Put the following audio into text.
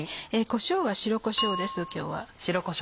こしょうは白こしょうです今日は。